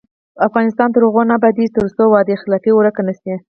افغانستان تر هغو نه ابادیږي، ترڅو وعده خلافي ورکه نشي.